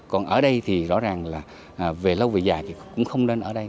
còn ở đây thì rõ ràng là về lâu về dài thì cũng không nên ở đây